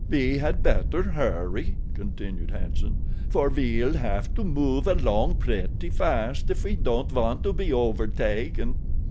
"We had better hurry," continued Hanson, "for we'll have to move along pretty fast if we don't want to be overtaken."